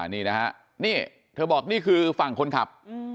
นี่นะฮะนี่เธอบอกนี่คือฝั่งคนขับ